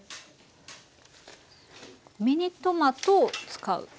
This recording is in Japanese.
ミニトマトを使う。